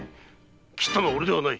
斬ったのは俺ではない。